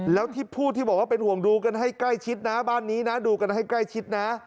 แล้วที่พูดที่บอกว่าเป็นห่วงดูกันให้ใกล้ชิดนะบ้านนี้นะดูกันให้ใกล้ชิดนะ